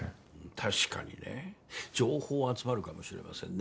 確かにね情報は集まるかもしれませんね。